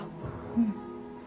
うん。